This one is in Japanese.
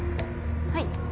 はい。